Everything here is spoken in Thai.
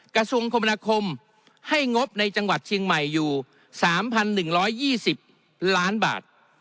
กระทรวงคมณะคมให้งบในจังหวัดเชียงใหม่อยู่สามพันหนึ่งร้อยยี่สิบล้านบาท